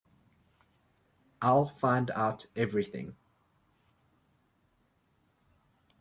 I'll find out everything.